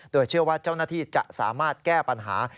โดยเชื่อว่าเจ้าหน้าที่จะสามารถแก้ปัญหา